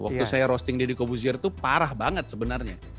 waktu saya roasting deddy kobuzier itu parah banget sebenarnya